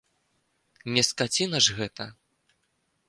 Не скаціна ж гэта.